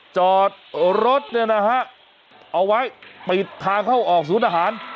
จอดรถเอาไว้ปิดทางเข้าออกสูตรอาหาร